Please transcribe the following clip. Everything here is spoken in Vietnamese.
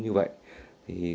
cô dâu phải chịu đựng